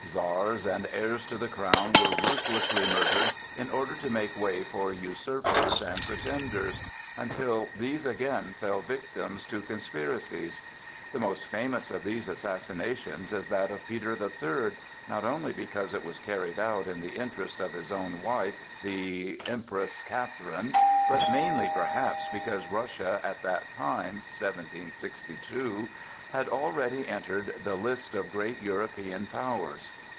Czars and heirs to the crown were ruthlessly murdered in order to make way for usurpers and pretenders, until these again fell victims to conspiracies. The most famous of these assassinations is that of Peter the Third, not only because it was carried out in the interest of his own wife, the Empress Catherine, but mainly perhaps because Russia, at that time,—1762—had already entered the list of great European powers.